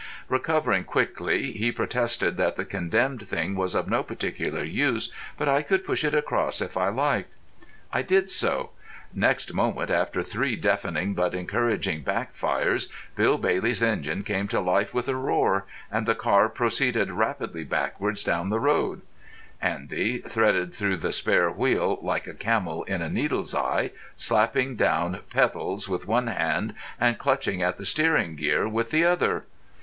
Recovering quickly, he protested that the condemned thing was of no particular use, but I could push it across if I liked. I did so. Next moment, after three deafening but encouraging backfires, Bill Bailey's engine came to life with a roar, and the car proceeded rapidly backwards down the road, Andy, threaded through the spare wheel like a camel in a needle's eye, slapping down pedals with one hand and clutching at the steering gear with the other.